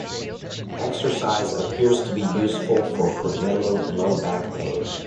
Exercise appears to be useful for preventing low back pain.